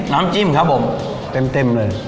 น้ำจิ้มครับพริกครับแปมเลย